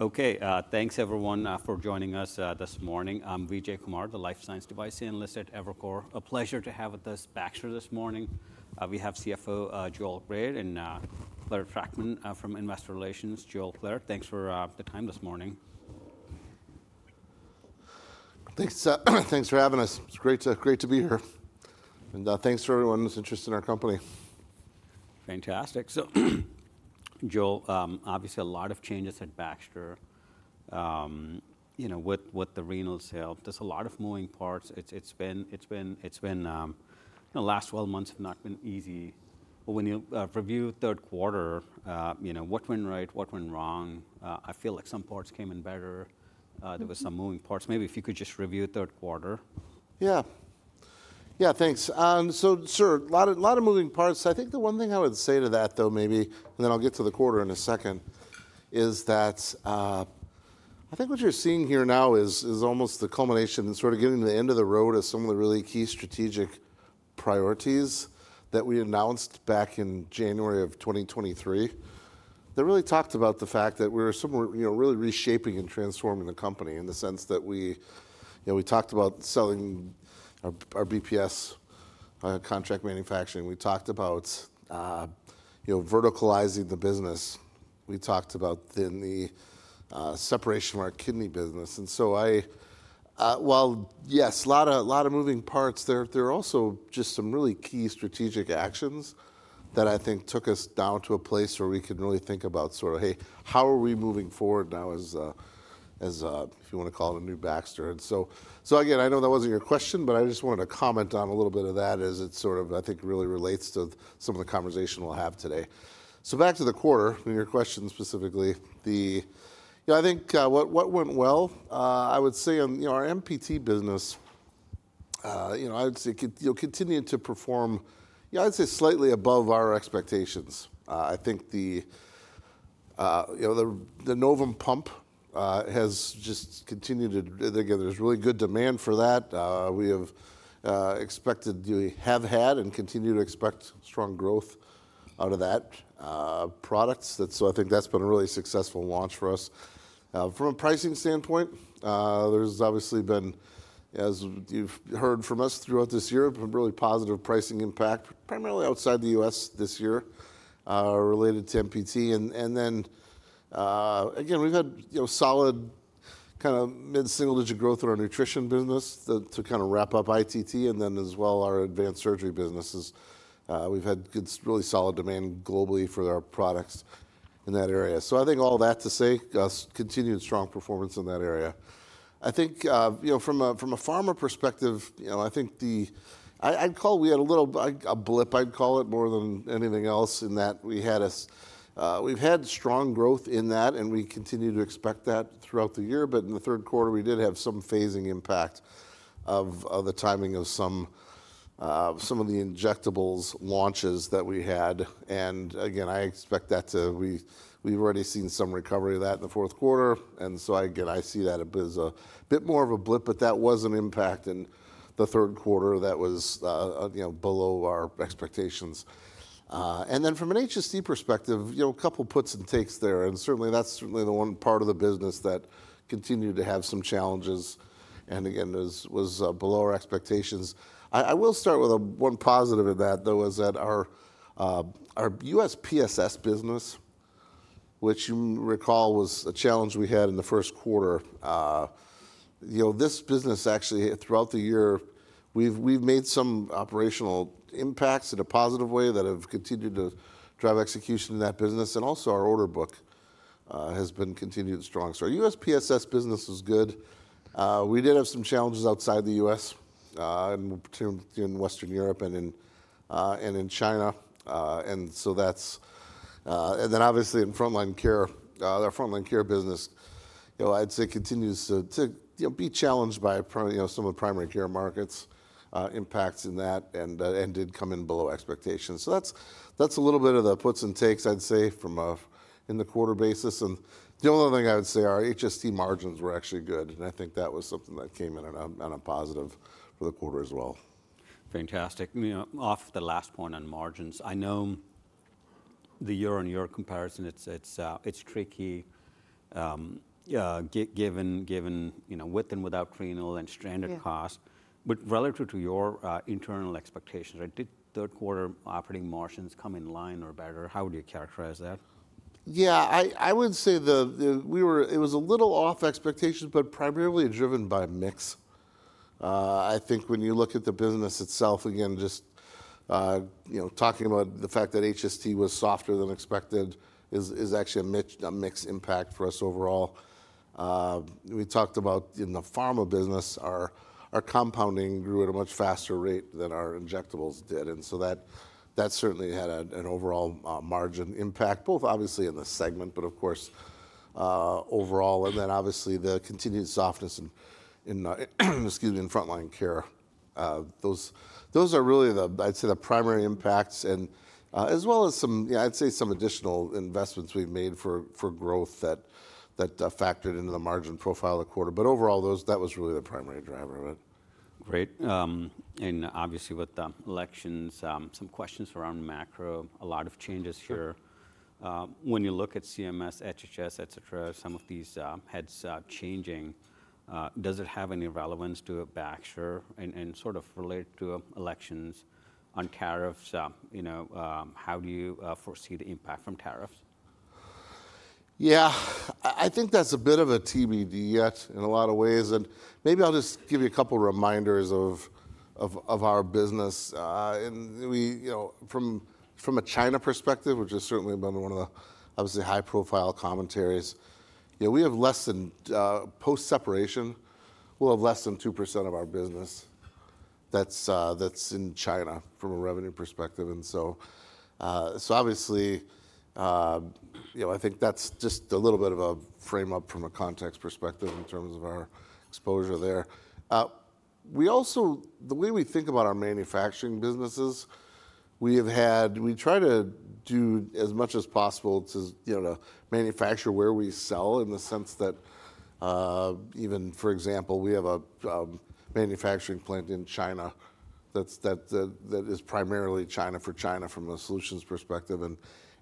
Okay, thanks everyone for joining us this morning. I'm Vijay Kumar, the Life Science Device Analyst at Evercore. A pleasure to have with us, Baxter, this morning. We have CFO, Joel Grade, and Clare Trachtman from Investor Relations. Joel, Clare, thanks for the time this morning. Thanks for having us. It's great to be here, and thanks for everyone who's interested in our company. Fantastic. So, Joel, obviously a lot of changes at Baxter. You know, with the renal sale, there's a lot of moving parts. It's been the last 12 months have not been easy. But when you review third quarter, what went right, what went wrong? I feel like some parts came in better. There were some moving parts. Maybe if you could just review third quarter. Yeah. Yeah, thanks. So, sure, a lot of moving parts. I think the one thing I would say to that, though, maybe, and then I'll get to the quarter in a second, is that I think what you're seeing here now is almost the culmination, sort of getting to the end of the road of some of the really key strategic priorities that we announced back in January of 2023. That really talked about the fact that we were really reshaping and transforming the company in the sense that we talked about selling our BPS contract manufacturing. We talked about verticalizing the business. We talked about the separation of our kidney business. And so I, well, yes, a lot of moving parts. There are also just some really key strategic actions that I think took us down to a place where we could really think about sort of, hey, how are we moving forward now as, if you want to call it, a new Baxter. And so, again, I know that wasn't your question, but I just wanted to comment on a little bit of that as it sort of, I think, really relates to some of the conversation we'll have today. So back to the quarter, your question specifically, I think what went well, I would say on our MPT business, I'd say you'll continue to perform, I'd say slightly above our expectations. I think the Novum pump has just continued to, again, there's really good demand for that. We have expected, have had, and continue to expect strong growth out of that product. So I think that's been a really successful launch for us. From a pricing standpoint, there's obviously been, as you've heard from us throughout this year, been really positive pricing impact, primarily outside the U.S. this year related to MPT. And then, again, we've had solid kind of mid-single digit growth in our nutrition business to kind of wrap up ITT and then as well our Advanced Surgery businesses. We've had really solid demand globally for our products in that area. So I think all that to say, continued strong performance in that area. I think from a pharma perspective, I think the, I'd call it, we had a little blip. I'd call it more than anything else in that we've had strong growth in that and we continue to expect that throughout the year. But in the third quarter, we did have some phasing impact of the timing of some of the injectables launches that we had. And again, I expect that to, we've already seen some recovery of that in the fourth quarter. And so again, I see that as a bit more of a blip, but that was an impact in the third quarter that was below our expectations. And then from an HST perspective, a couple of puts and takes there. And certainly that's the one part of the business that continued to have some challenges and again, was below our expectations. I will start with one positive in that, though, is that our U.S. PSS business, which you recall was a challenge we had in the first quarter. This business, actually, throughout the year, we've made some operational impacts in a positive way that have continued to drive execution in that business. And also, our order book has been continued strong. So our U.S. PSS business was good. We did have some challenges outside the U.S. and in Western Europe and in China. And so that's, and then obviously in Frontline Care, our Frontline Care business, I'd say, continues to be challenged by some of the primary care markets impacts in that, and did come in below expectations. So that's a little bit of the puts and takes, I'd say, from a quarter basis. And the only other thing I would say, our HST margins were actually good. And I think that was something that came in on a positive for the quarter as well. Fantastic. Off the last point on margins, I know the year-on-year comparison, it's tricky given with and without renal and stranded costs, but relative to your internal expectations, Did third quarter operating margins come in line or better? How would you characterize that? Yeah, I would say it was a little off expectations, but primarily driven by mix. I think when you look at the business itself, again, just talking about the fact that HST was softer than expected is actually a mixed impact for us overall. We talked about, in the pharma business, our compounding grew at a much faster rate than our injectables did. And so that certainly had an overall margin impact, both obviously in the segment, but of course overall. And then obviously the continued softness in Frontline Care, those are really the, I'd say the primary impacts and as well as some, I'd say some additional investments we've made for growth that factored into the margin profile of the quarter. But overall, that was really the primary driver. Great and obviously with the elections, some questions around macro, a lot of changes here. When you look at CMS, HHS, et cetera, some of these heads changing, does it have any relevance to Baxter and sort of relate to elections on tariffs? How do you foresee the impact from tariffs? Yeah, I think that's a bit of a TBD yet in a lot of ways. And maybe I'll just give you a couple of reminders of our business. And from a China perspective, which has certainly been one of the obviously high-profile commentaries, we have less than post-separation. We'll have less than 2% of our business that's in China from a revenue perspective. And so obviously, I think that's just a little bit of a frame up from a context perspective in terms of our exposure there. We also, the way we think about our manufacturing businesses, we have had. We try to do as much as possible to manufacture where we sell in the sense that even, for example, we have a manufacturing plant in China that is primarily China for China from a solutions perspective. And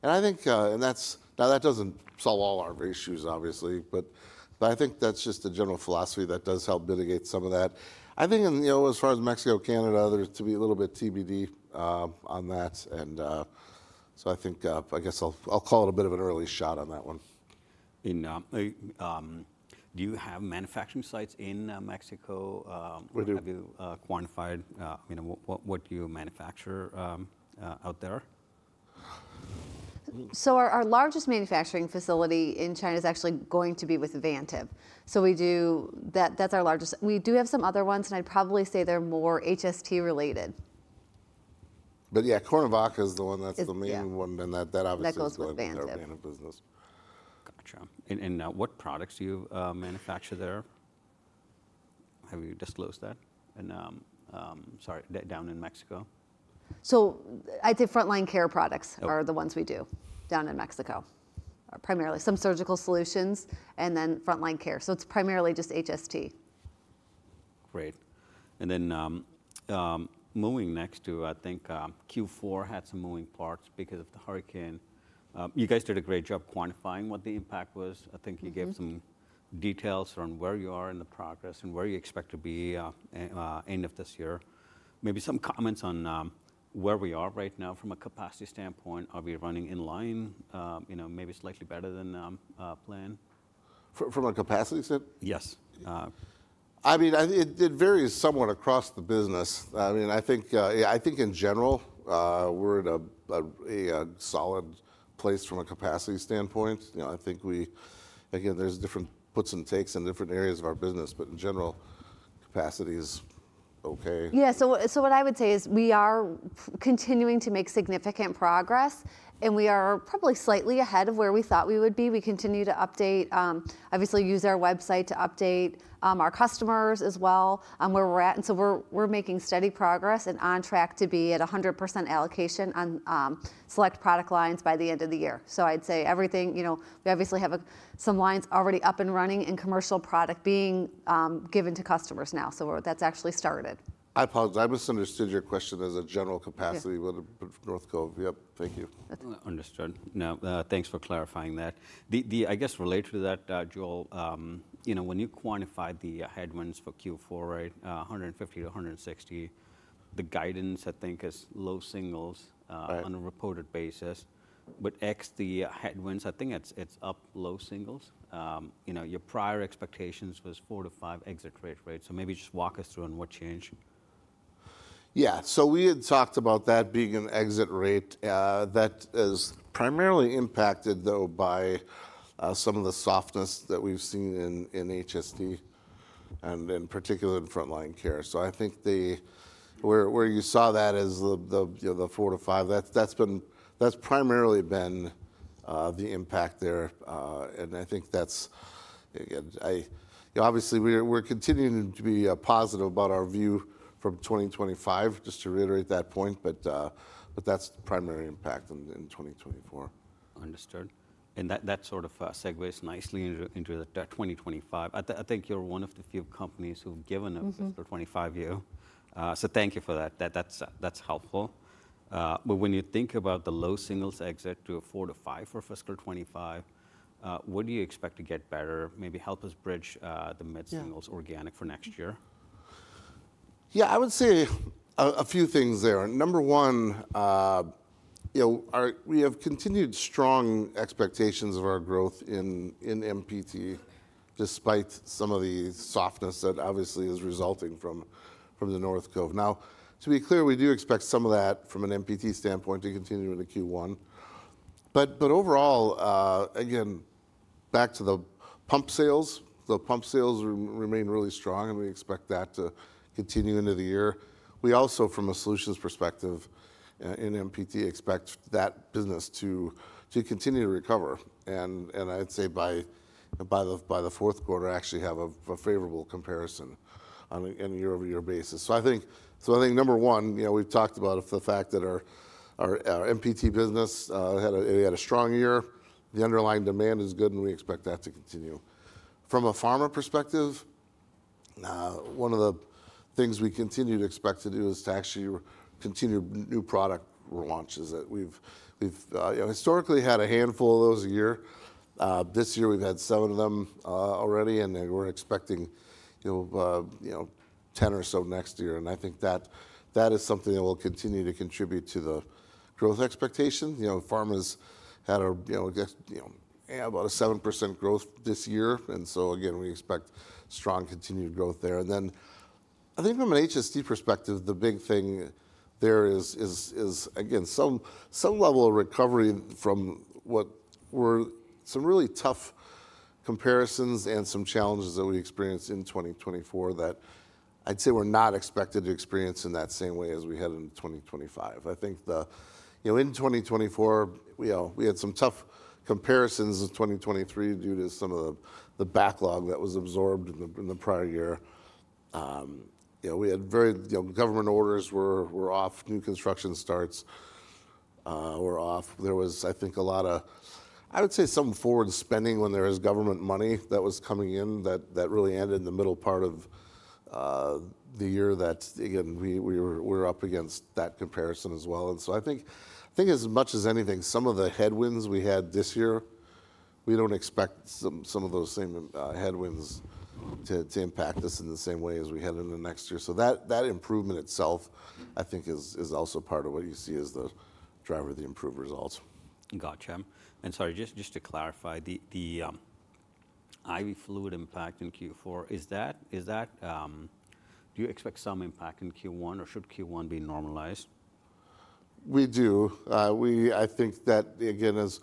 I think, and that doesn't solve all our issues, obviously, but I think that's just a general philosophy that does help mitigate some of that. I think as far as Mexico, Canada, there's to be a little bit TBD on that. And so I think, I guess I'll call it a bit of an early shot on that one. Do you have manufacturing sites in Mexico? We do. Have you quantified what you manufacture out there? So our largest manufacturing facility in China is actually going to be with Vantive. So we do. That's our largest. We do have some other ones and I'd probably say they're more HST related. But yeah, Cuernavaca is the one that's the main one and that obviously. That goes with Vantive. Vantive business. Gotcha. And what products do you manufacture there? Have you disclosed that? And sorry, down in Mexico? I'd say Frontline Care products are the ones we do down in Mexico, primarily some surgical solutions and then Frontline Care. It's primarily just HST. Great, and then moving next to, I think Q4 had some moving parts because of the hurricane. You guys did a great job quantifying what the impact was. I think you gave some details on where you are in the progress and where you expect to be end of this year. Maybe some comments on where we are right now from a capacity standpoint, are we running in line, maybe slightly better than planned? From a capacity standpoint? Yes. I mean, it varies somewhat across the business. I mean, I think in general, we're in a solid place from a capacity standpoint. I think we, again, there's different puts and takes in different areas of our business, but in general, capacity is okay. Yeah, so what I would say is we are continuing to make significant progress and we are probably slightly ahead of where we thought we would be. We continue to update, obviously use our website to update our customers as well on where we're at. And so we're making steady progress and on track to be at 100% allocation on select product lines by the end of the year. So I'd say everything, we obviously have some lines already up and running and commercial product being given to customers now. So that's actually started. I apologize. I misunderstood your question as a general capacity with North Cove. Yep, thank you. Understood. Now, thanks for clarifying that. I guess related to that, Joel, when you quantify the headwinds for Q4, right, 150 to 160, the guidance I think is low singles on a reported basis. With ex the headwinds, I think it's up low singles. Your prior expectations was 4%-5% exit rate, right? So maybe just walk us through on what changed. Yeah, so we had talked about that being an exit rate that is primarily impacted though by some of the softness that we've seen in HST and in particular in Frontline Care. So I think where you saw that as the 4%-5%, that's primarily been the impact there. And I think that's, obviously we're continuing to be positive about our view from 2025, just to reiterate that point, but that's the primary impact in 2024. Understood. And that sort of segues nicely into the 2025. I think you're one of the few companies who've given a fiscal 2025 view. So thank you for that. That's helpful. But when you think about the low singles exit to a 4%-5% for fiscal 2025, what do you expect to get better? Maybe help us bridge the mid-singles organic for next year. Yeah, I would say a few things there. Number one, we have continued strong expectations of our growth in MPT despite some of the softness that obviously is resulting from the North Cove. Now, to be clear, we do expect some of that from an MPT standpoint to continue into Q1. But overall, again, back to the pump sales, the pump sales remain really strong and we expect that to continue into the year. We also, from a solutions perspective in MPT, expect that business to continue to recover. And I'd say by the fourth quarter, I actually have a favorable comparison on a year-over-year basis. So I think number one, we've talked about the fact that our MPT business had a strong year. The underlying demand is good and we expect that to continue. From a pharma perspective, one of the things we continue to expect to do is to actually continue new product launches that we've historically had a handful of those a year. This year we've had seven of them already and we're expecting 10 or so next year. I think that is something that will continue to contribute to the growth expectation. Pharma's had about a 7% growth this year. So again, we expect strong continued growth there. Then I think from an HST perspective, the big thing there is, again, some level of recovery from what were some really tough comparisons and some challenges that we experienced in 2024 that I'd say we're not expected to experience in that same way as we had in 2025. I think in 2024, we had some tough comparisons in 2023 due to some of the backlog that was absorbed in the prior year. We had very government orders were off, new construction starts were off. There was, I think, a lot of, I would say some forward spending when there was government money that was coming in that really ended in the middle part of the year that, again, we were up against that comparison as well. And so I think as much as anything, some of the headwinds we had this year, we don't expect some of those same headwinds to impact us in the same way as we had in the next year. So that improvement itself, I think, is also part of what you see as the driver of the improved results. Gotcha. And sorry, just to clarify, the IV fluid impact in Q4, do you expect some impact in Q1 or should Q1 be normalized? We do. I think that, again, as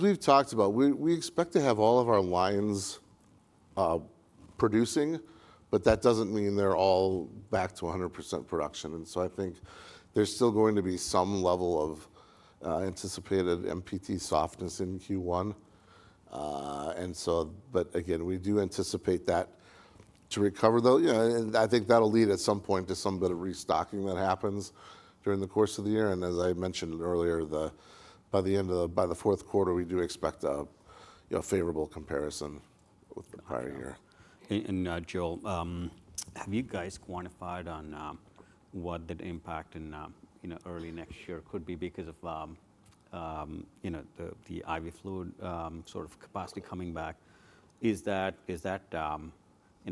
we've talked about, we expect to have all of our lines producing, but that doesn't mean they're all back to 100% production, and so I think there's still going to be some level of anticipated MPT softness in Q1, and so, but again, we do anticipate that to recover, though, and I think that'll lead at some point to some bit of restocking that happens during the course of the year, and as I mentioned earlier, by the end of the fourth quarter, we do expect a favorable comparison with the prior year. Joel, have you guys quantified on what the impact in early next year could be because of the IV fluid sort of capacity coming back? Is that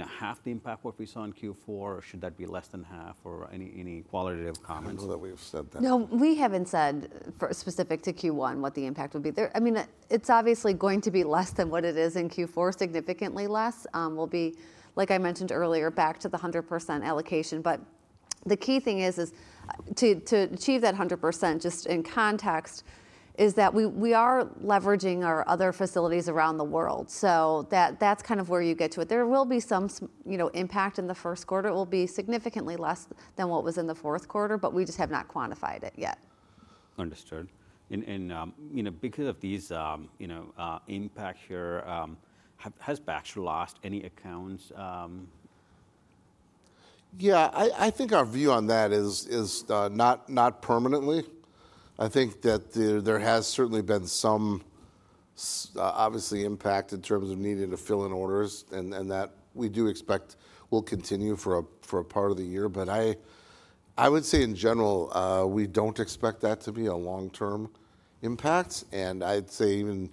half the impact what we saw in Q4 or should that be less than half or any qualitative comments? I don't know that we've said that. No, we haven't said specific to Q1 what the impact would be. I mean, it's obviously going to be less than what it is in Q4, significantly less. We'll be, like I mentioned earlier, back to the 100% allocation. But the key thing is to achieve that 100% just in context is that we are leveraging our other facilities around the world. So that's kind of where you get to it. There will be some impact in the first quarter. It will be significantly less than what was in the fourth quarter, but we just have not quantified it yet. Understood. And because of these impacts here, has Baxter lost any accounts? Yeah, I think our view on that is not permanent. I think that there has certainly been some obvious impact in terms of needing to fill in orders and that we do expect will continue for a part of the year. But I would say in general, we don't expect that to be a long-term impact. And I'd say even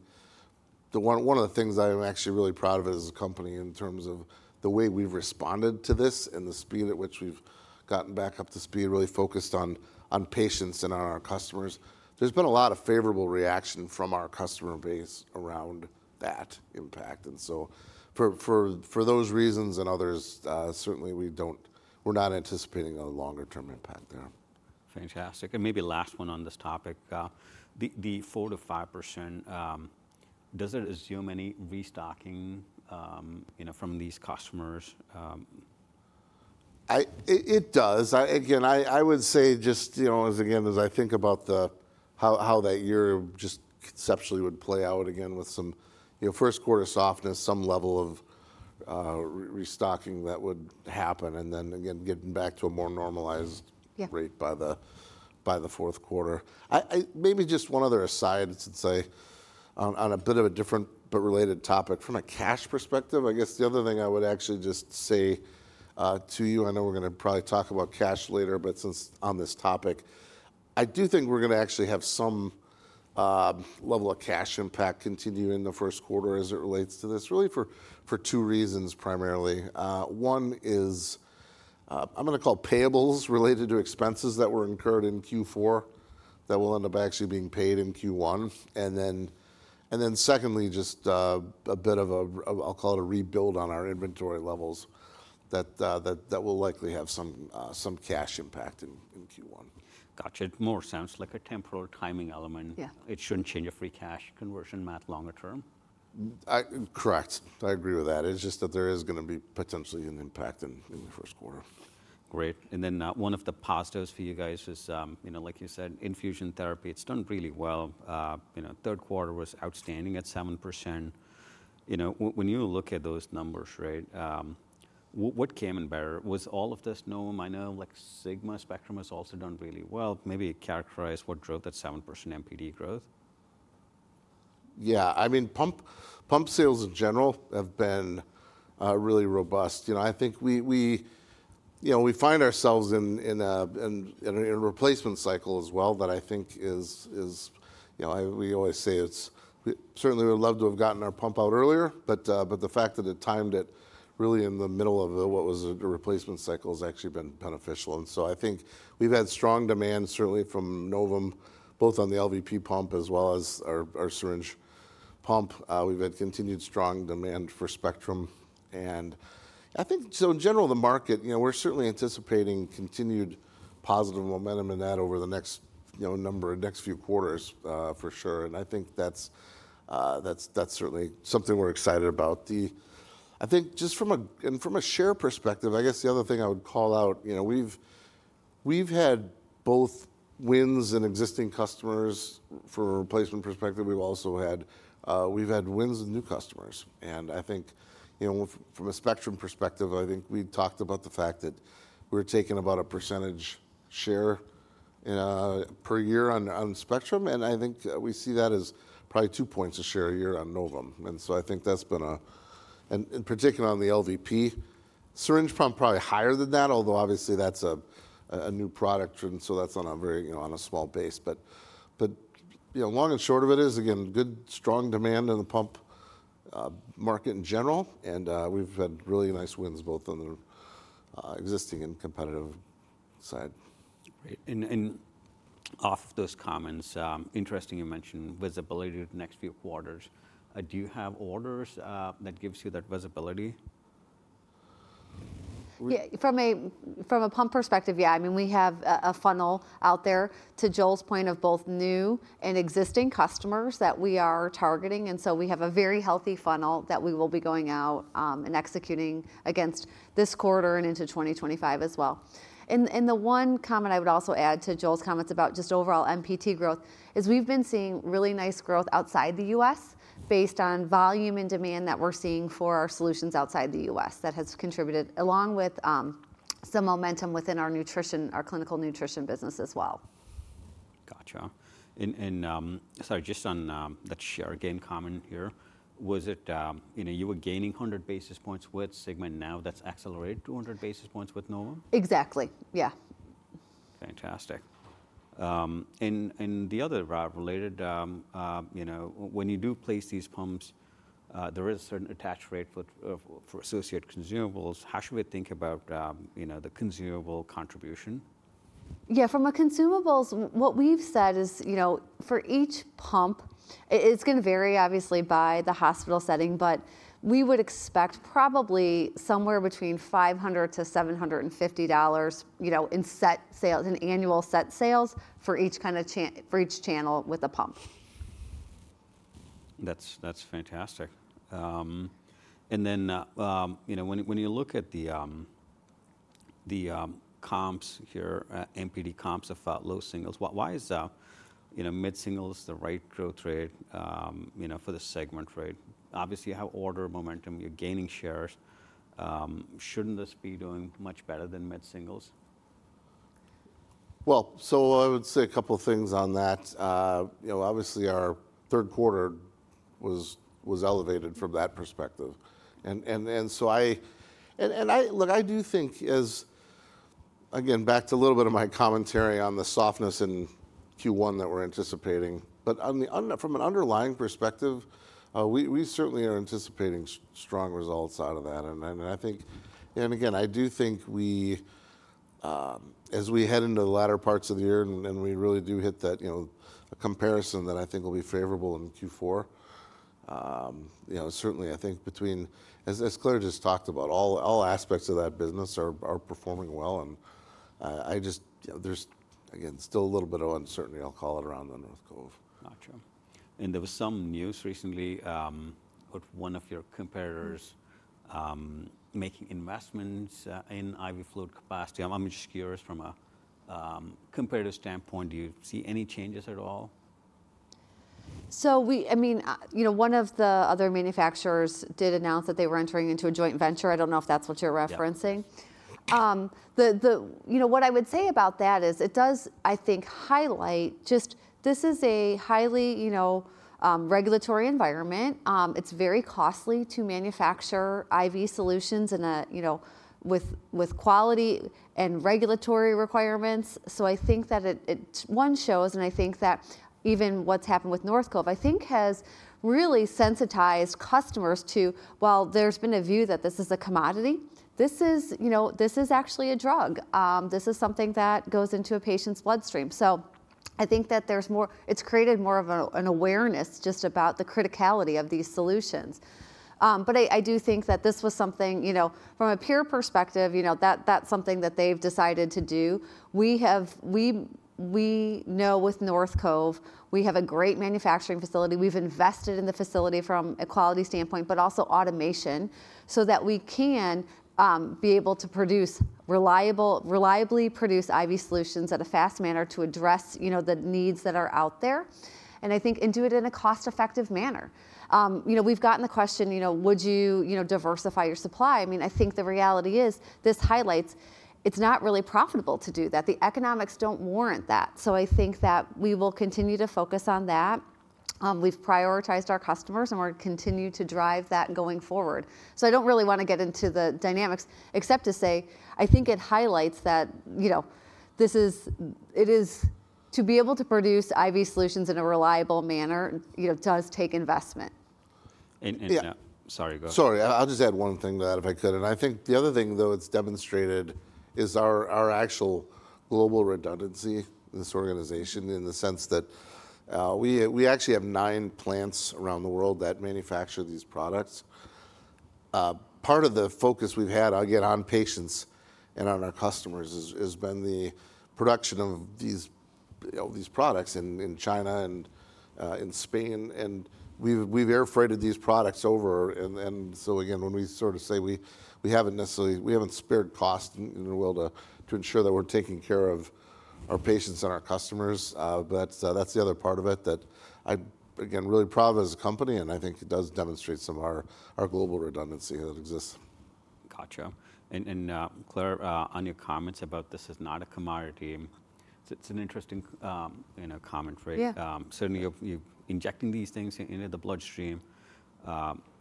one of the things I'm actually really proud of as a company in terms of the way we've responded to this and the speed at which we've gotten back up to speed, really focused on patients and on our customers, there's been a lot of favorable reaction from our customer base around that impact. And so for those reasons and others, certainly we're not anticipating a longer-term impact there. Fantastic. And maybe last one on this topic, the 4%-5%, does it assume any restocking from these customers? It does. Again, I would say just, again, as I think about how that year just conceptually would play out again with some first quarter softness, some level of restocking that would happen and then again, getting back to a more normalized rate by the fourth quarter. Maybe just one other aside to say on a bit of a different but related topic. From a cash perspective, I guess the other thing I would actually just say to you, I know we're going to probably talk about cash later, but since on this topic, I do think we're going to actually have some level of cash impact continue in the first quarter as it relates to this really for two reasons primarily. One is I'm going to call payables related to expenses that were incurred in Q4 that will end up actually being paid in Q1. And then secondly, just a bit of a, I'll call it a rebuild on our inventory levels that will likely have some cash impact in Q1. Gotcha. It more sounds like a temporal timing element. It shouldn't change a free cash conversion much longer term. Correct. I agree with that. It's just that there is going to be potentially an impact in the first quarter. Great. And then one of the positives for you guys is, like you said, infusion therapy, it's done really well. Third quarter was outstanding at 7%. When you look at those numbers, right, what came in better? Was all of this known? I know like Sigma Spectrum has also done really well. Maybe characterize what drove that 7% MPT growth? Yeah, I mean, pump sales in general have been really robust. I think we find ourselves in a replacement cycle as well that I think is, we always say it's certainly we'd love to have gotten our pump out earlier, but the fact that it timed it really in the middle of what was a replacement cycle has actually been beneficial, and so I think we've had strong demand certainly from Novum, both on the LVP pump as well as our syringe pump. We've had continued strong demand for Spectrum, and I think so in general, the market, we're certainly anticipating continued positive momentum in that over the next number of next few quarters for sure, and I think that's certainly something we're excited about. I think just from a share perspective, I guess the other thing I would call out, we've had both wins in existing customers from a replacement perspective. We've also had wins in new customers, and I think from a Spectrum perspective, I think we talked about the fact that we're talking about a percentage share per year on Spectrum, and I think we see that as probably two points of share a year on Novum. And so I think that's been a, and particularly on the LVP, syringe pump probably higher than that, although obviously that's a new product and so that's on a very small base, but long and short of it is, again, good strong demand in the pump market in general, and we've had really nice wins both on the existing and competitive side. Great. And off of those comments, interesting you mentioned visibility to the next few quarters. Do you have orders that gives you that visibility? Yeah, from a pump perspective, yeah. I mean, we have a funnel out there to Joel's point of both new and existing customers that we are targeting. And so we have a very healthy funnel that we will be going out and executing against this quarter and into 2025 as well. And the one comment I would also add to Joel's comments about just overall MPT growth is we've been seeing really nice growth outside the U.S. based on volume and demand that we're seeing for our solutions outside the U.S. that has contributed along with some momentum within our nutrition, our clinical nutrition business as well. Gotcha. And sorry, just on that share again comment here, was it you were gaining 100 basis points with Sigma and now that's accelerated 200 basis points with Novum? Exactly. Yeah. Fantastic. And the other related, when you do place these pumps, there is a certain attach rate for associated consumables. How should we think about the consumable contribution? Yeah, from a consumables, what we've said is for each pump, it's going to vary obviously by the hospital setting, but we would expect probably somewhere between $500-$750 in annual set sales for each channel with a pump. That's fantastic. And then when you look at the comps here, MPT comps have felt low singles. Why is mid-singles the right growth rate for the segment, right? Obviously, you have order momentum, you're gaining shares. Shouldn't this be doing much better than mid-singles? I would say a couple of things on that. Obviously, our third quarter was elevated from that perspective. Look, I do think, again, back to a little bit of my commentary on the softness in Q1 that we're anticipating, but from an underlying perspective, we certainly are anticipating strong results out of that. I think, and again, I do think as we head into the latter parts of the year and we really do hit that comparison that I think will be favorable in Q4. Certainly I think between, as Clare just talked about, all aspects of that business are performing well. There's again, still a little bit of uncertainty, I'll call it around the North Cove. Gotcha. And there was some news recently of one of your competitors making investments in IV fluid capacity. I'm just curious from a competitor standpoint, do you see any changes at all? So I mean, one of the other manufacturers did announce that they were entering into a joint venture. I don't know if that's what you're referencing. What I would say about that is it does, I think, highlight just this is a highly regulatory environment. It's very costly to manufacture IV solutions with quality and regulatory requirements. So I think that one shows, and I think that even what's happened with North Cove, I think has really sensitized customers to, well, there's been a view that this is a commodity. This is actually a drug. This is something that goes into a patient's bloodstream. So I think that there's more, it's created more of an awareness just about the criticality of these solutions. But I do think that this was something from a peer perspective, that's something that they've decided to do. We know with North Cove, we have a great manufacturing facility. We've invested in the facility from a quality standpoint, but also automation so that we can be able to reliably produce IV solutions at a fast manner to address the needs that are out there, and I think, and do it in a cost-effective manner. We've gotten the question, would you diversify your supply? I mean, I think the reality is this highlights it's not really profitable to do that. The economics don't warrant that, so I think that we will continue to focus on that. We've prioritized our customers and we're going to continue to drive that going forward, so I don't really want to get into the dynamics except to say I think it highlights that this is, to be able to produce IV solutions in a reliable manner does take investment. And. Yeah. Sorry, go ahead. Sorry, I'll just add one thing to that if I could, and I think the other thing though it's demonstrated is our actual global redundancy in this organization in the sense that we actually have nine plants around the world that manufacture these products. Part of the focus we've had, again, on patients and on our customers has been the production of these products in China and in Spain, and we've air freighted these products over, and so again, when we sort of say we haven't necessarily, we haven't spared cost in the world to ensure that we're taking care of our patients and our customers, but that's the other part of it that I'm again really proud of as a company and I think it does demonstrate some of our global redundancy that exists. Gotcha. And Clare, on your comments about this is not a commodity, it's an interesting commentary. Certainly you're injecting these things into the bloodstream.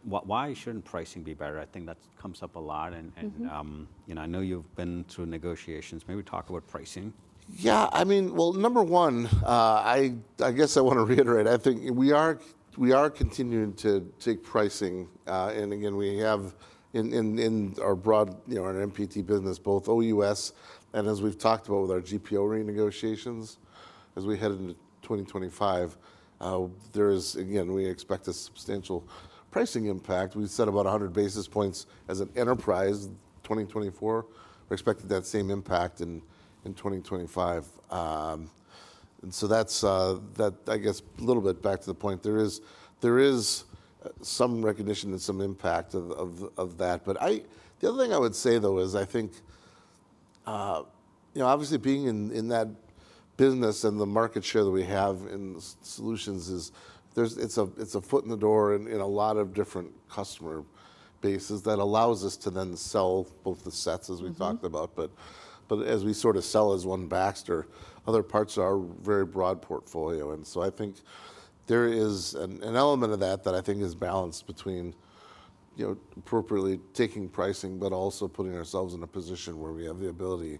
Why shouldn't pricing be better? I think that comes up a lot. And I know you've been through negotiations. Maybe talk about pricing. Yeah, I mean, well, number one, I guess I want to reiterate. I think we are continuing to take pricing. And again, we have in our broad MPT business both OUS and, as we've talked about with our GPO renegotiations, as we head into 2025, there is again we expect a substantial pricing impact. We've said about 100 basis points as an enterprise in 2024. We expected that same impact in 2025. And so that's, I guess, a little bit back to the point. There is some recognition and some impact of that. But the other thing I would say though is I think obviously being in that business and the market share that we have in solutions is it's a foot in the door in a lot of different customer bases that allows us to then sell both the sets as we talked about. But as we sort of sell as one Baxter, other parts are very broad portfolio. And so I think there is an element of that that I think is balanced between appropriately taking pricing, but also putting ourselves in a position where we have the ability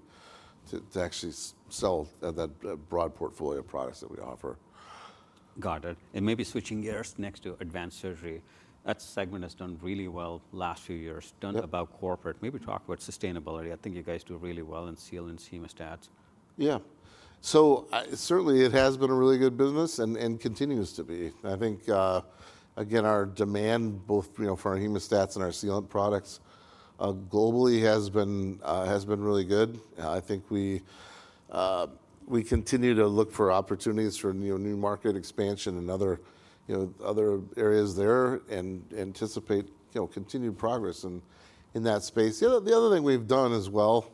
to actually sell that broad portfolio products that we offer. Got it. And maybe switching gears next to Advanced Surgery, that segment has done really well last few years. Done about corporate. Maybe talk about sustainability. I think you guys do really well in sealants, hemostats. Yeah. So certainly it has been a really good business and continues to be. I think, again, our demand both for our hemostats and our sealant products globally has been really good. I think we continue to look for opportunities for new market expansion and other areas there and anticipate continued progress in that space. The other thing we've done as well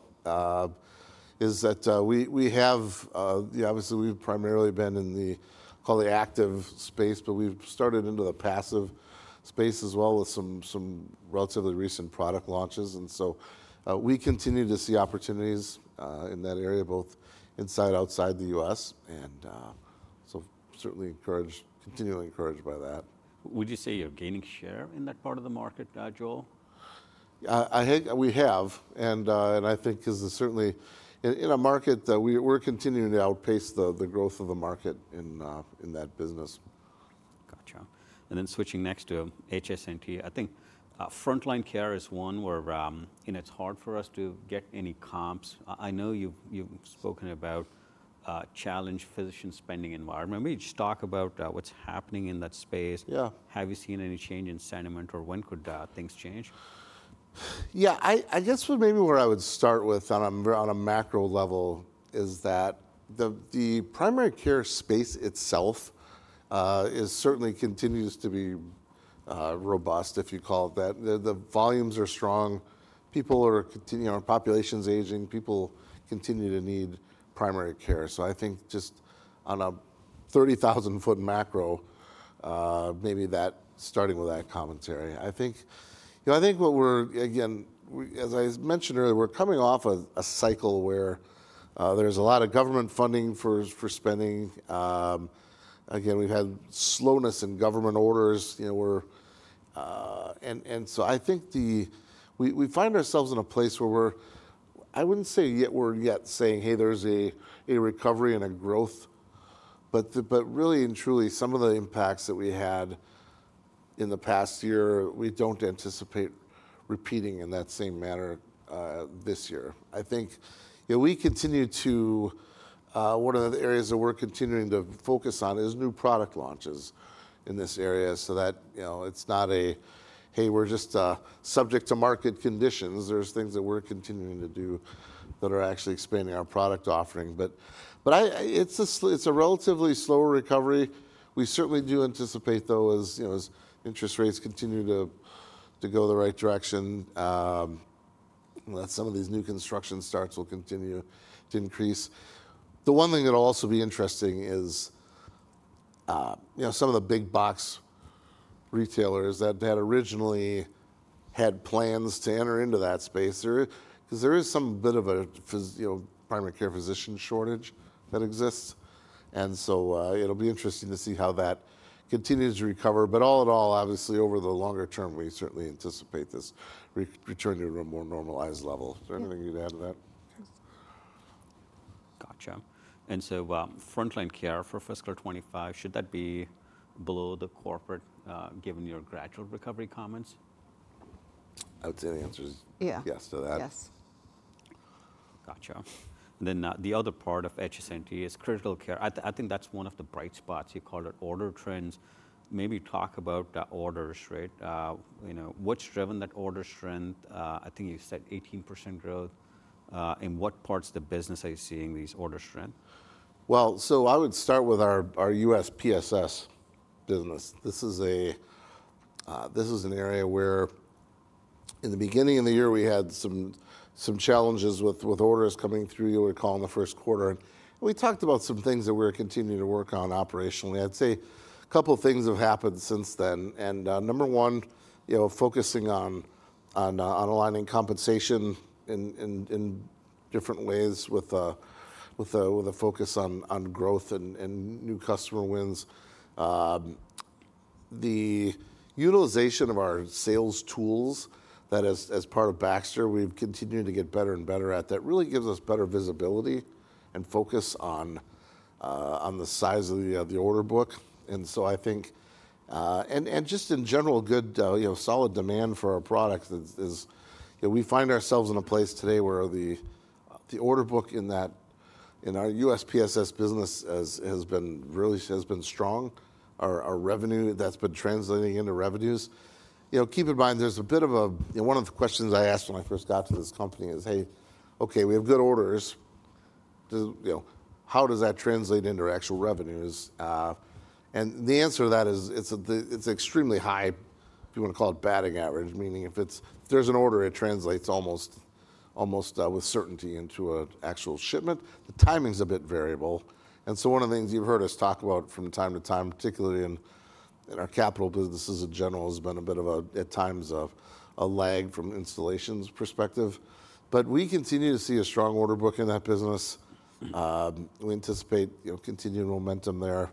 is that we have, obviously we've primarily been in the, call it active space, but we've started into the passive space as well with some relatively recent product launches. And so we continue to see opportunities in that area both inside, outside the U.S. And so certainly encouraged, continually encouraged by that. Would you say you're gaining share in that part of the market, Joel? We have. And I think is certainly in a market that we're continuing to outpace the growth of the market in that business. Gotcha. And then switching next to HST, I think Frontline Care is one where it's hard for us to get any comps. I know you've spoken about challenging physician spending environment. Maybe just talk about what's happening in that space. Have you seen any change in sentiment or when could things change? Yeah, I guess maybe where I would start with on a macro level is that the primary care space itself certainly continues to be robust, if you call it that. The volumes are strong. People are continuing, populations aging, people continue to need primary care. So I think just on a 30,000 foot macro, maybe that starting with that commentary. I think what we're, again, as I mentioned earlier, we're coming off of a cycle where there's a lot of government funding for spending. Again, we've had slowness in government orders. And so I think we find ourselves in a place where we're, I wouldn't say yet we're saying, hey, there's a recovery and a growth, but really and truly some of the impacts that we had in the past year, we don't anticipate repeating in that same manner this year. I think we continue to, one of the areas that we're continuing to focus on is new product launches in this area so that it's not a, hey, we're just subject to market conditions. There's things that we're continuing to do that are actually expanding our product offering, but it's a relatively slow recovery. We certainly do anticipate though as interest rates continue to go the right direction, that some of these new construction starts will continue to increase. The one thing that'll also be interesting is some of the big box retailers that had originally had plans to enter into that space, because there is some bit of a primary care physician shortage that exists, and so it'll be interesting to see how that continues to recover, but all in all, obviously over the longer term, we certainly anticipate this returning to a more normalized level. Is there anything you'd add to that? Gotcha, and so Frontline Care for fiscal 2025, should that be below the corporate given your gradual recovery comments? I would say the answer is yes to that. Yes. Gotcha. Then the other part of HST is critical care. I think that's one of the bright spots. You called it order trends. Maybe talk about the order strength. What's driven that order strength? I think you said 18% growth. In what parts of the business are you seeing these order strength? I would start with our U.S. PSS business. This is an area where in the beginning of the year, we had some challenges with orders coming through, you recall, in the first quarter. We talked about some things that we're continuing to work on operationally. I'd say a couple of things have happened since then. Number one, focusing on aligning compensation in different ways with a focus on growth and new customer wins. The utilization of our sales tools that as part of Baxter, we've continued to get better and better at that really gives us better visibility and focus on the size of the order book. I think, and just in general, good solid demand for our products. We find ourselves in a place today where the order book in our U.S. PSS business has been really strong. Our revenue that's been translating into revenues. Keep in mind, there's a bit of a, one of the questions I asked when I first got to this company is, hey, okay, we have good orders. How does that translate into actual revenues? And the answer to that is it's extremely high, if you want to call it batting average, meaning if there's an order, it translates almost with certainty into an actual shipment. The timing's a bit variable. And so one of the things you've heard us talk about from time to time, particularly in our capital businesses in general, has been a bit of a, at times, a lag from installations perspective. But we continue to see a strong order book in that business. We anticipate continued momentum there.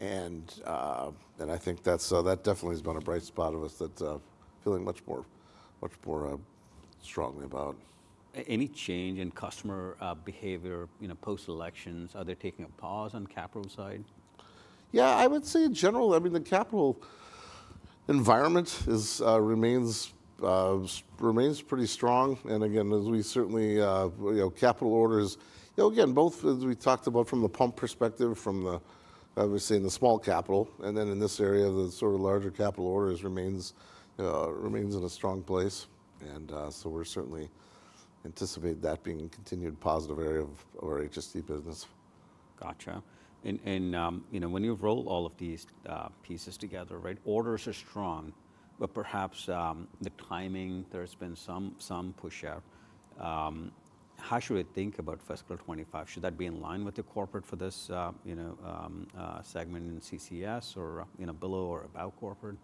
And I think that definitely has been a bright spot of us that feeling much more strongly about. Any change in customer behavior post-elections? Are they taking a pause on capital side? Yeah, I would say in general, I mean, the capital environment remains pretty strong. And again, as we certainly, capital orders, again, both as we talked about from the pump perspective, from the, obviously in the small capital, and then in this area, the sort of larger capital orders remains in a strong place. And so we're certainly anticipating that being a continued positive area of our HST business. Gotcha. And when you roll all of these pieces together, right, orders are strong, but perhaps the timing, there's been some push out. How should we think about fiscal 2025? Should that be in line with the corporate for this segment in CCS or below or about corporate?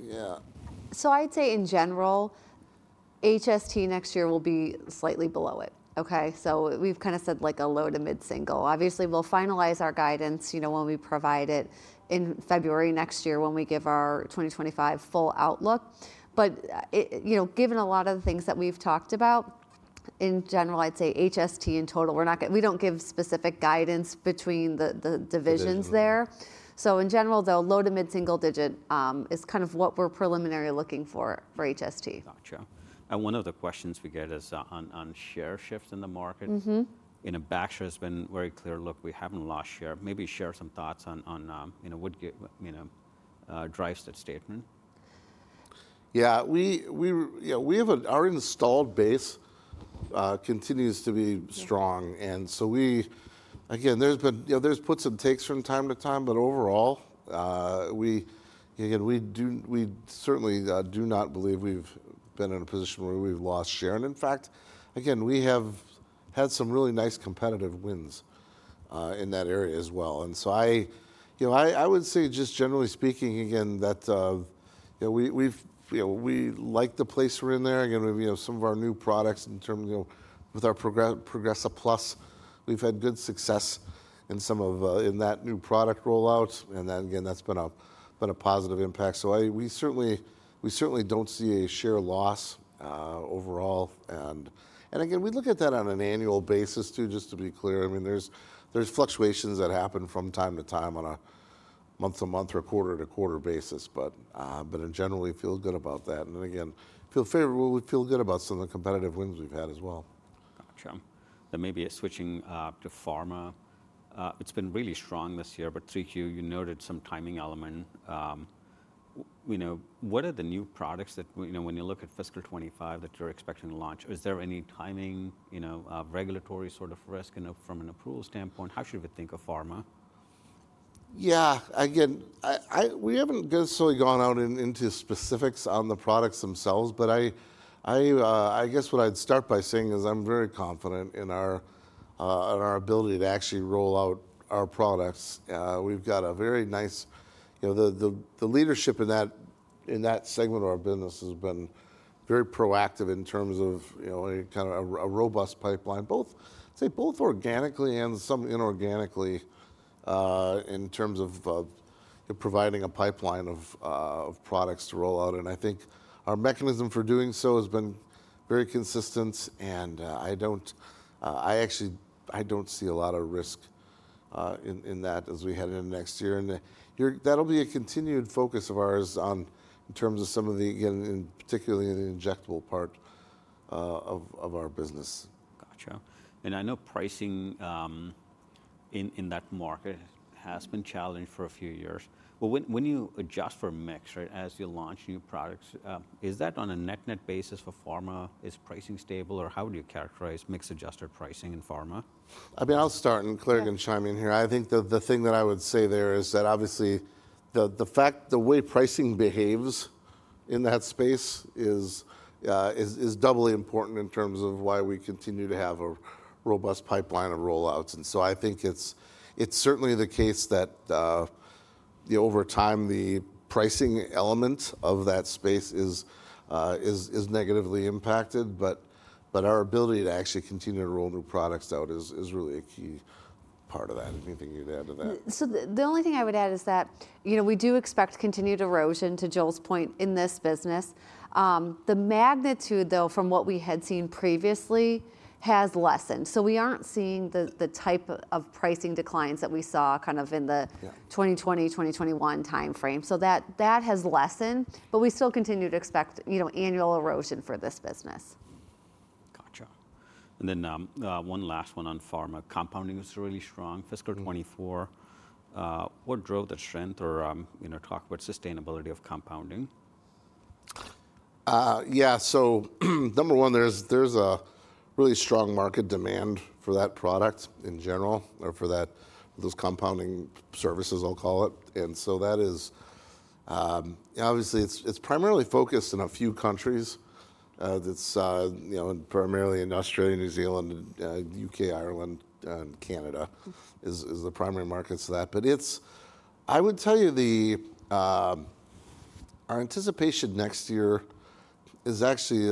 Yeah. So I'd say in general, HST next year will be slightly below it. Okay? So we've kind of said like a low to mid single. Obviously, we'll finalize our guidance when we provide it in February next year when we give our 2025 full outlook. But given a lot of the things that we've talked about, in general, I'd say HST in total. We don't give specific guidance between the divisions there. So in general, though, low to mid single digit is kind of what we're preliminary looking for for HST. Gotcha. And one of the questions we get is on share shift in the market. At Baxter, it's been very clear, look, we haven't lost share. Maybe share some thoughts on what drives that statement. Yeah, we have our installed base continues to be strong. And so we, again, there's been puts and takes from time to time, but overall, again, we certainly do not believe we've been in a position where we've lost share. And in fact, again, we have had some really nice competitive wins in that area as well. And so I would say just generally speaking, again, that we like the place we're in there. Again, some of our new products in terms of with our Progressa+, we've had good success in some of that new product rollouts. And then again, that's been a positive impact. So we certainly don't see a share loss overall. And again, we look at that on an annual basis too, just to be clear. I mean, there's fluctuations that happen from time to time on a month-to-month or quarter-to-quarter basis, but in general, we feel good about that. And then again, we feel good about some of the competitive wins we've had as well. Gotcha. Then maybe switching to pharma, it's been really strong this year, but 3Q, you noted some timing element. What are the new products that when you look at fiscal 2025 that you're expecting to launch? Is there any timing, regulatory sort of risk from an approval standpoint? How should we think of pharma? Yeah, again, we haven't necessarily gone out into specifics on the products themselves, but I guess what I'd start by saying is I'm very confident in our ability to actually roll out our products. We've got a very nice, the leadership in that segment of our business has been very proactive in terms of kind of a robust pipeline, both organically and some inorganically in terms of providing a pipeline of products to roll out, and I think our mechanism for doing so has been very consistent, and I actually don't see a lot of risk in that as we head into next year, and that'll be a continued focus of ours in terms of some of the, again, particularly in the injectable part of our business. Gotcha. And I know pricing in that market has been challenged for a few years. But when you adjust for mix, right, as you launch new products, is that on a net-net basis for pharma? Is pricing stable or how would you characterize mix-adjusted pricing in pharma? I mean, I'll start and clarify and chime in here. I think the thing that I would say there is that obviously the way pricing behaves in that space is doubly important in terms of why we continue to have a robust pipeline of rollouts. And so I think it's certainly the case that over time, the pricing element of that space is negatively impacted, but our ability to actually continue to roll new products out is really a key part of that. Anything you'd add to that? So the only thing I would add is that we do expect continued erosion to Joel's point in this business. The magnitude though, from what we had seen previously, has lessened. So we aren't seeing the type of pricing declines that we saw kind of in the 2020, 2021 timeframe. So that has lessened, but we still continue to expect annual erosion for this business. Gotcha. And then one last one on pharma, compounding is really strong. Fiscal 2024, what drove the strength or talk about sustainability of compounding? Yeah, so number one, there's a really strong market demand for that product in general or for those compounding services, I'll call it. And so that is, obviously, it's primarily focused in a few countries. It's primarily in Australia, New Zealand, U.K., Ireland, and Canada is the primary markets for that. But I would tell you our anticipation next year is actually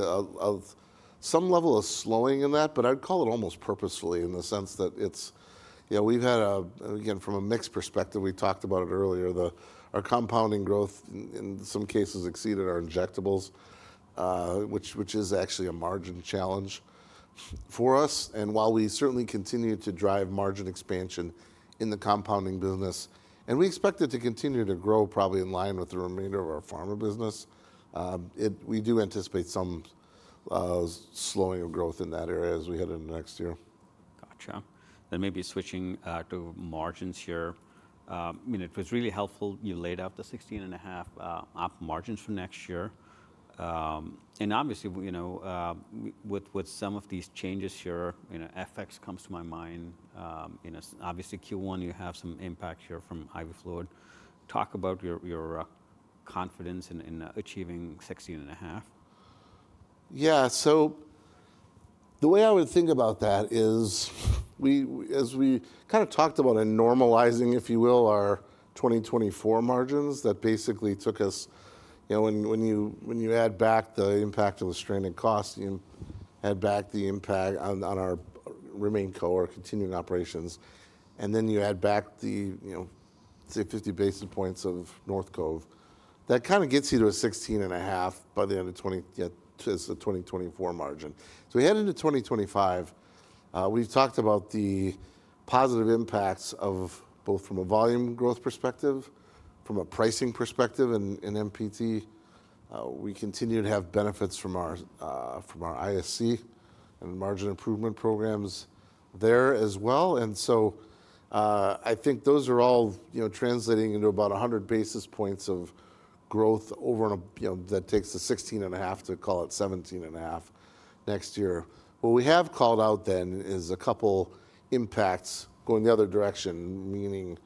some level of slowing in that, but I'd call it almost purposefully in the sense that we've had, again, from a mixed perspective, we talked about it earlier, our compounding growth in some cases exceeded our injectables, which is actually a margin challenge for us. While we certainly continue to drive margin expansion in the compounding business, and we expect it to continue to grow probably in line with the remainder of our pharma business, we do anticipate some slowing of growth in that area as we head into next year. Gotcha. Then maybe switching to margins here. I mean, it was really helpful you laid out the 16.5% margins for next year. And obviously, with some of these changes here, FX comes to my mind. Obviously, Q1, you have some impact here from Hurricane Helene. Talk about your confidence in achieving 16.5%? Yeah, so the way I would think about that is, as we kind of talked about and normalizing, if you will, our 2024 margins that basically took us, when you add back the impact of the stranded cost, you add back the impact on our remaining core continuing operations, and then you add back the 50 basis points of North Cove, that kind of gets you to a 16.5 by the end of 2024 margin. So we head into 2025, we've talked about the positive impacts of both from a volume growt h perspective, from a pricing perspective in MPT. We continue to have benefits from our ISC and margin improvement programs there as well. And so I think those are all translating into about 100 basis points of growth over that takes the 16.5 to call it 17.5 next year. What we have called out then is a couple impacts going the other direction, meaning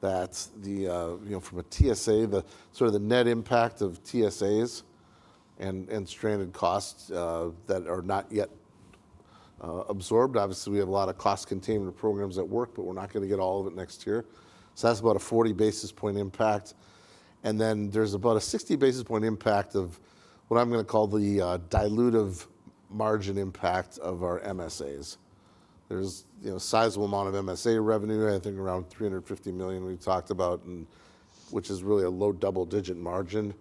that from a TSA, the sort of the net impact of TSAs and stranded costs that are not yet absorbed. Obviously, we have a lot of cost containment programs at work, but we're not going to get all of it next year. So that's about a 40 basis point impact. And then there's about a 60 basis point impact of what I'm going to call the dilutive margin impact of our MSAs. There's a sizable amount of MSA revenue, I think around $350 million we've talked about, which is really a low double digit margin.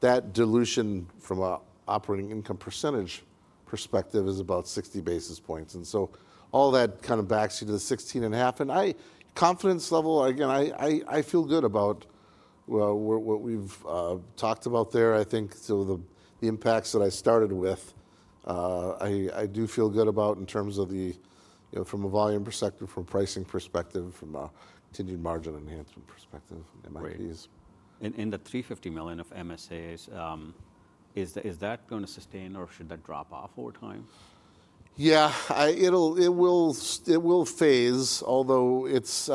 That dilution from an operating income percentage perspective is about 60 basis points. And so all that kind of backs you to the 16.5%. And confidence level, again, I feel good about what we've talked about there. I think the impacts that I started with, I do feel good about in terms of the, from a volume perspective, from a pricing perspective, from a continued margin enhancement perspective, MIPs. The $350 million of MSAs, is that going to sustain or should that drop off over time? Yeah, it will phase, although it's,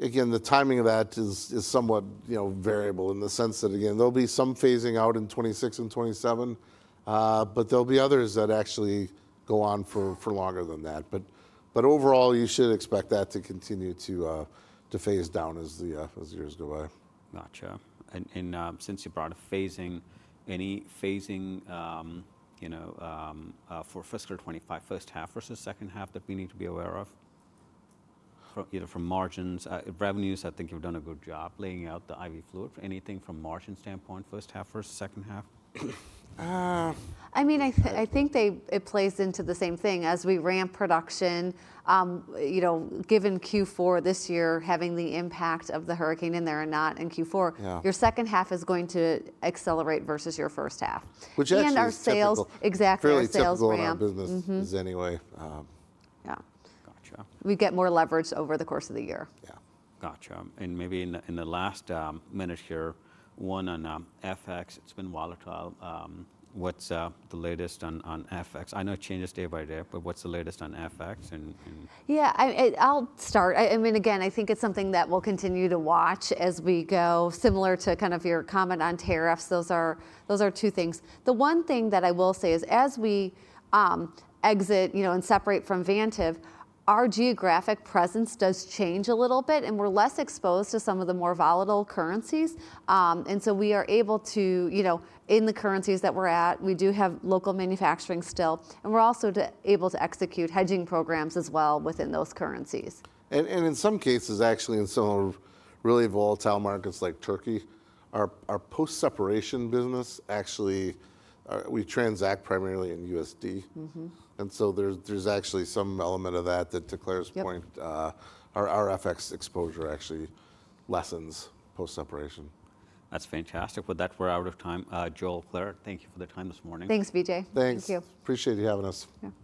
again, the timing of that is somewhat variable in the sense that, again, there'll be some phasing out in 2026 and 2027, but there'll be others that actually go on for longer than that. But overall, you should expect that to continue to phase down as the years go by. Gotcha. And since you brought up phasing, any phasing for fiscal 2025, first half versus second half that we need to be aware of? Either from margins, revenues, I think you've done a good job laying out the IV fluid, anything from margin standpoint, first half versus second half? I mean, I think it plays into the same thing. As we ramp production, given Q4 this year having the impact of the hurricane and they're not in Q4, your second half is going to accelerate versus your first half. Which actually is really typical. And our sales, exactly. Really typical in our business anyway. Yeah. Gotcha. We get more leverage over the course of the year. Yeah. Gotcha. And maybe in the last minute here, one on FX, it's been volatile. What's the latest on FX? I know it changes day by day, but what's the latest on FX? Yeah, I'll start. I mean, again, I think it's something that we'll continue to watch as we go, similar to kind of your comment on tariffs. Those are two things. The one thing that I will say is as we exit and separate from Vantive, our geographic presence does change a little bit and we're less exposed to some of the more volatile currencies. And so we are able to, in the currencies that we're at, we do have local manufacturing still, and we're also able to execute hedging programs as well within those currencies. In some cases, actually, in some of the really volatile markets like Turkey, our post-separation business, actually, we transact primarily in USD. So there's actually some element of that to Clare's point, our FX exposure actually lessens post-separation. That's fantastic. With that, we're out of time. Joel Grade, thank you for the time this morning. Thanks, Vijay. Thanks. Appreciate you having us.